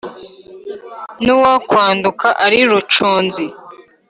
n’uwakwaduka ari rucunzi